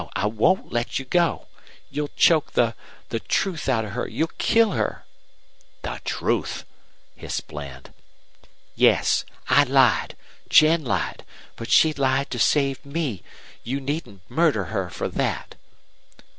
I won't let you go. You'll choke the the truth out of her you'll kill her." "The TRUTH!" hissed Bland. "Yes. I lied. Jen lied. But she lied to save me. You needn't murder her for that."